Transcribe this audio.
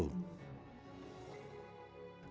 kelebihan personel ini terjadi karena beberapa faktor